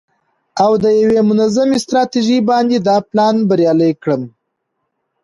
او د یوې منظمې ستراتیژۍ باندې دا پلان بریالی کړم.